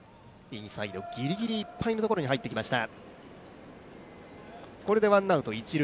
インサイド、ギリギリいっぱいのところに入ってきました。